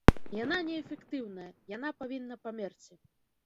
Яна неэфектыўная, яна павінна памерці.